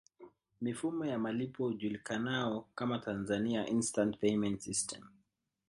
Mifumo ya malipo hujulikanao kama Tanzania Instant Payment System